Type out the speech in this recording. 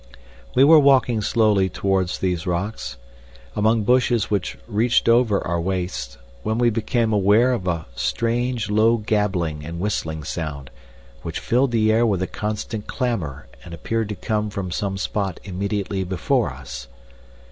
We were walking slowly towards these rocks, among bushes which reached over our waists, when we became aware of a strange low gabbling and whistling sound, which filled the air with a constant clamor and appeared to come from some spot immediately before us.